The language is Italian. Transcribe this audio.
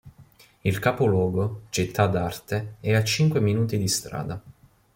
Il capoluogo, città d'arte, è a cinque minuti di strada.